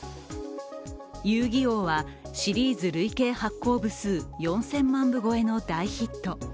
「遊戯王」はシリーズ累計発行部数０００万部超えの大ヒット。